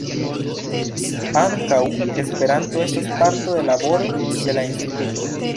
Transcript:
Ankaŭ Esperanto estas parto de laboro de la instituto.